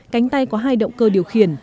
cánh tay có hai động cơ điều khiển